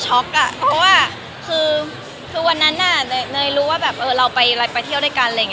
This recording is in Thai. จริงมันแอบช็อคอะเพราะว่าคือวันนั้นเนยรู้ว่าเราไปเที่ยวด้วยกัน